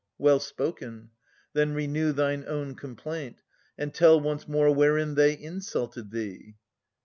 Well spoken. Then renew thine own complaint. And tell once more wherein they insulted thee.